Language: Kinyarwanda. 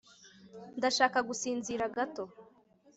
ndashaka gusinzira gato